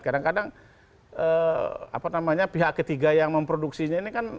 kadang kadang pihak ketiga yang memproduksinya ini kan